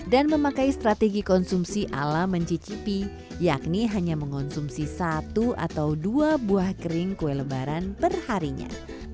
dan memakai strategi konsumsi ala mencicipi yakni hanya mengonsumsi satu atau dua buah kering kue lebaran perharinya